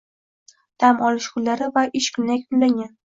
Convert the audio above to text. Dam olish kunlari va ish kuni yakunlangan